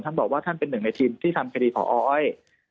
ท่านบอกว่าท่านเป็นหนึ่งในทีมที่ทำคดีพออ้อย